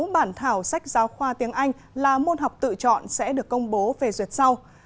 bốn bản thảo sách giáo khoa tiếng anh là môn học tự chọn sẽ được công bố phê duyệt sau